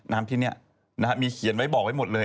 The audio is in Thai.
ที่นี่มีเขียนไว้บอกไว้หมดเลย